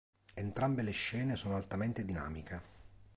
Entrambe le scene sono altamente dinamiche.